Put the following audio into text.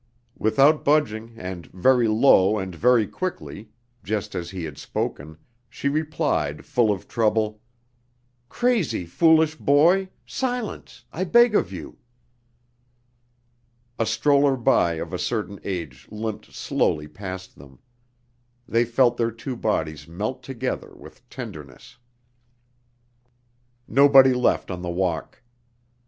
Without budging and very low and very quickly, just as he had spoken, she replied full of trouble: "Crazy! Foolish boy! Silence! I beg of you...." A stroller by of a certain age limped slowly past them. They felt their two bodies melt together with tenderness.... Nobody left on the walk.